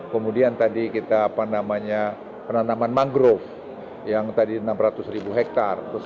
kemudian tadi kita penanaman mangrove yang tadi enam ratus ribu hektare